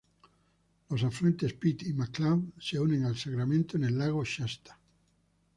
Los afluentes Pit y McCloud se unen al Sacramento en el lago Shasta.